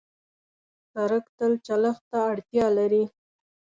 سړک تل چلښت ته اړتیا لري.